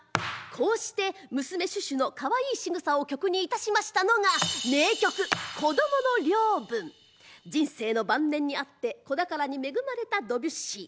こうして娘シュシュのかわいいしぐさを曲にいたしましたのが人生の晩年にあって子宝に恵まれたドビュッシー。